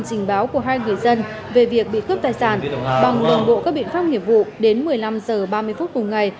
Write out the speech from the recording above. trình báo của hai người dân về việc bị cướp tài sản bằng đồng bộ các biện pháp nghiệp vụ đến một mươi năm h ba mươi phút cùng ngày